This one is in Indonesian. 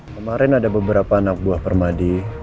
kemarin ada beberapa anak buah permadi